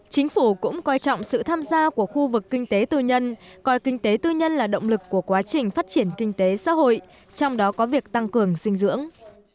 chính phủ cũng coi trọng sự tham gia của khu vực kinh tế tư nhân coi kinh tế tư nhân là động lực của quá trình phát triển kinh tế xã hội trong đó có việc tăng cường dinh dưỡng